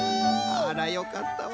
「あらよかったわ。